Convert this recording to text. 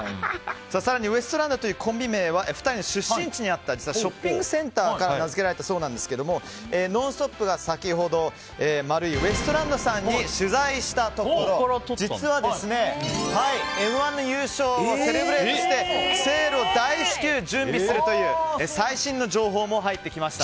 更にウエストランドというコンビ名は２人の出身地にあったショッピングセンターから名づけられたそうなんですが「ノンストップ！」が先ほどマルイウエストランドさんに取材したところ実は、「Ｍ‐１」の優勝をセレブレートとしてセールを大至急準備するという最新の情報も入ってきました。